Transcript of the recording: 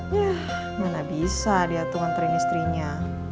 wah mana bisa dia tuh nganterin istrinya